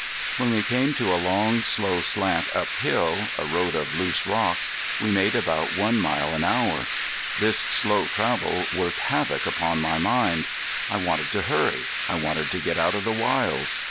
When we came to a long slow slant uphill, a road of loose rocks, we made about one mile an hour. This slow travel worked havoc upon my mind. I wanted to hurry. I wanted to get out of the wilds.